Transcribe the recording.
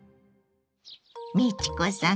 美智子さん